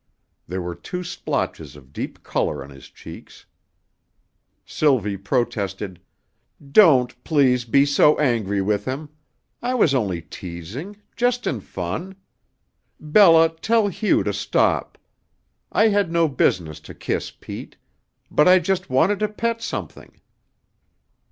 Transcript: There were two splotches of deep color on his cheeks. Sylvie protested: "Don't, please, be so angry with him. I was only teasing, just in fun. Bella, tell Hugh to stop. I had no business to kiss Pete. But I just wanted to pet something."